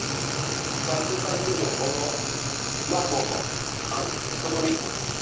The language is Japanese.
サクサクと麻婆のあんとろみ。